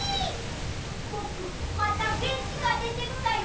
ぼくまたげんきがでてきたよ！